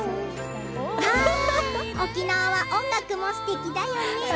沖縄は音楽もすてきだね。